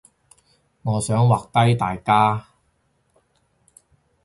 我想畫低大家